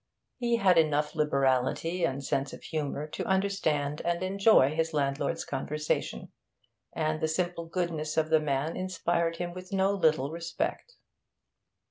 He had enough liberality and sense of humour to understand and enjoy his landlord's conversation, and the simple goodness of the man inspired him with no little respect.